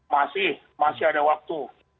masih masih ada waktu